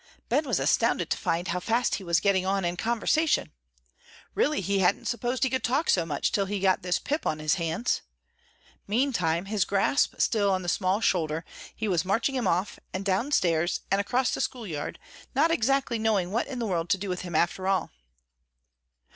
Ben was astounded to find how fast he was getting on in conversation. Really he hadn't supposed he could talk so much till he got this Pip on his hands. Meantime, his grasp still on the small shoulder, he was marching him off, and downstairs, and across the school yard, not exactly knowing what in the world to do with him after all.